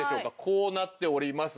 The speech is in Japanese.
こうなっております。